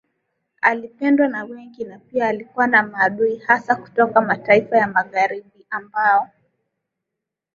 Alipendwa na wengi na pia alikuwa na maadui hasa kutoka mataifa ya Magharibi ambao